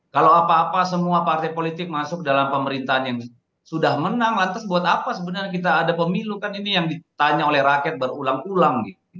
kalau apa apa semua partai politik masuk dalam pemerintahan yang sudah menang lantas buat apa sebenarnya kita ada pemilu kan ini yang ditanya oleh rakyat berulang ulang